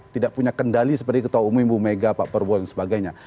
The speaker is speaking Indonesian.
tidak punya kendali seperti ketua umum ibu mega pak prabowo dan sebagainya